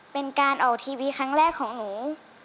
เป็นการออกทีวีครั้งแรกของหนู